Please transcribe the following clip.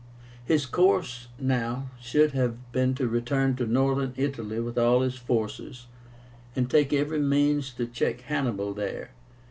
His course now should have been to return to Northern Italy with all his forces, and take every means to check Hannibal there.